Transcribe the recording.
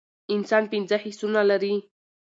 انسان پنځه حسونه لری